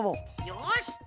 よし！